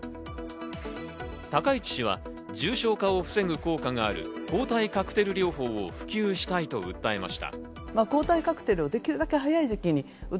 高市氏は、重症化を防ぐ効果がある抗体カクテル療法を普及したいと訴えました。